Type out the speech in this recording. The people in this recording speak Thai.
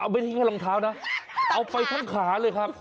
ไม่ใช่แค่รองเท้านะเอาไปทั้งขาเลยครับ